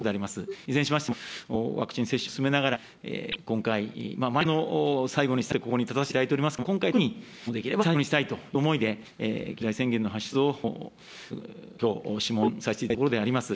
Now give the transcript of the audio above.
いずれにしましても、ワクチン接種を進めながら、今回、毎回最後にしたいと思って、ここに立たせていただいておりますけれども、今回、特にもうできれば最後にしたいという思いで、緊急事態宣言の発出をきょう、諮問させていただいたところであります。